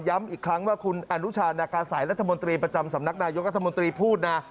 อีกครั้งว่าคุณอนุชานากาศัยรัฐมนตรีประจำสำนักนายกรัฐมนตรีพูดนะ